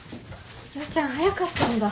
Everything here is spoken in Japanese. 陽ちゃん早かったんだ。